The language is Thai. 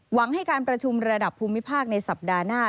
หวังให้การประชุมระดับภูมิภาคในสัปดาห์หน้า